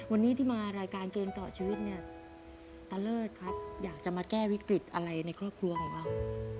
วันนี้ที่มารายการเกมต่อชีวิตเนี่ยตาเลิศครับอยากจะมาแก้วิกฤตอะไรในครอบครัวของเรา